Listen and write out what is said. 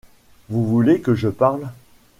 Vous voulez… que je parle…